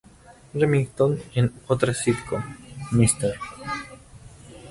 Remington en otra sitcom, "Mr.